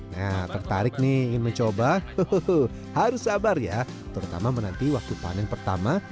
nah tertarik nih ingin mencoba harus sabar ya terutama menanti waktu panen pertama